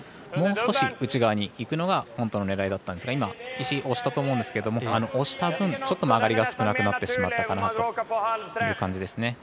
もう少し内側にいくのが本当の狙いだったんですが今、石押したと思うんですけど押した分ちょっと曲がりが少なくなってしまったなという感じですね。